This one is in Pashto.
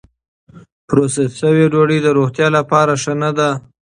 پروسس شوې ډوډۍ د روغتیا لپاره ښه نه ده.